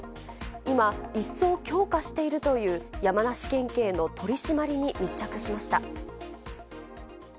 今、一層強化しているという山梨県警の取締りに密着しました。